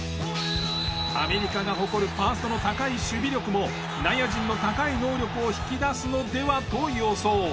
アメリカが誇るファーストの高い守備力も内野陣の高い能力を引き出すのではと予想。